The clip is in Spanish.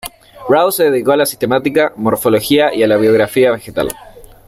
Rauh se dedicó a la sistemática, morfología y la biogeografía vegetal.